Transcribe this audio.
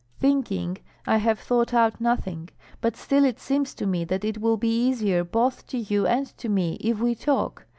Thinking, I have thought out nothing; but still it seems to me that it will be easier both to you and to me if we talk.